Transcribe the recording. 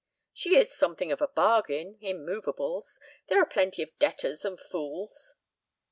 "She is something of a bargain—in movables. There are plenty of debtors and fools."